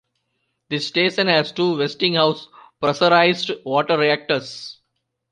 This station has two Westinghouse pressurized water reactors.